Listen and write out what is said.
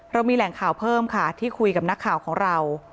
เรามีแหล่งข่าวเพิ่มค่ะที่คุยกับนักข่าวของเรา